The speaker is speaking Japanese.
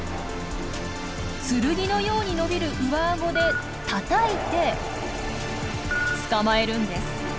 剣のように伸びる上アゴでたたいて捕まえるんです。